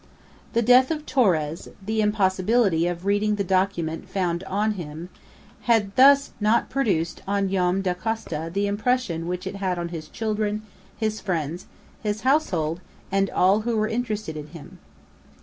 The death of Torres, the impossibility of reading the document found on him, had thus not produced on Joam Dacosta the impression which it had on his children, his friends, his household, and all who were interested in him.